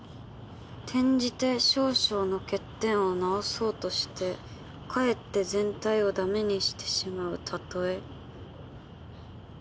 「転じて少々の欠点を直そうとしてかえって全体を駄目にしてしまう例え」